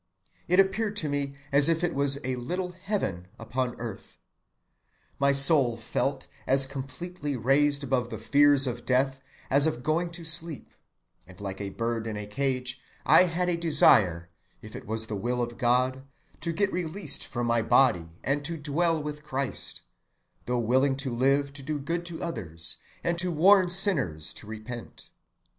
It appeared to me as if it was a little heaven upon earth. My soul felt as completely raised above the fears of death as of going to sleep; and like a bird in a cage, I had a desire, if it was the will of God, to get released from my body and to dwell with Christ, though willing to live to do good to others, and to warn sinners to repent.